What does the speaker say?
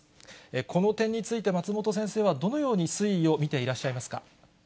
この点について、松本先生はどのように推移を見ていらっしゃいますか。